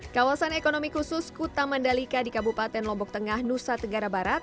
kawasan ekonomi khusus kuta mandalika di kabupaten lombok tengah nusa tenggara barat